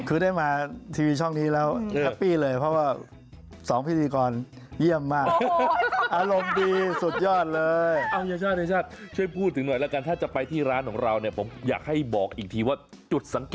คือได้มาทีวีช่องนี้แล้วแฮปปี้เลยเพราะว่า๒พิธีกรเยี่ยมมาก